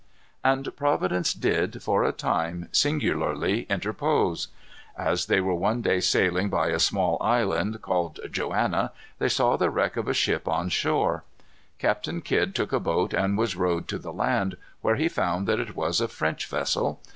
And Providence did, for a time, singularly interpose. As they were one day sailing by a small island, called Joanna, they saw the wreck of a ship on shore. Captain Kidd took a boat and was rowed to the land, where he found that it was a French vessel.